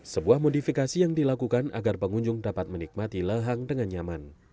sebuah modifikasi yang dilakukan agar pengunjung dapat menikmati lehang dengan nyaman